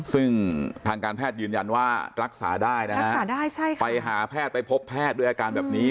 ซึ่งทางการแพทย์ยืนยันว่ารักษาได้นะฮะไปหาแพทย์ไปพบแพทย์ด้วยอาการแบบนี้